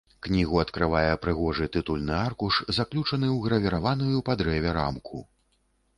Кнігу адкрывае прыгожы тытульны аркуш, заключаны ў гравіраваную па дрэве рамку.